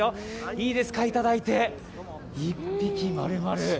いいですか、いただいて１匹まるまる。